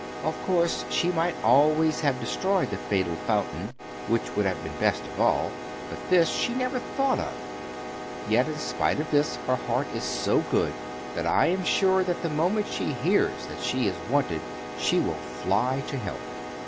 Of course she might always have destroyed the fatal fountain, which would have been best of all; but this she never thought of. Yet, in spite of this, her heart is so good, that I am sure that the moment she hears that she is wanted she will fly to help.